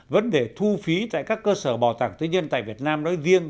vấn đề thu phí tại các cơ sở bảo tàng tư nhân tại việt nam nói riêng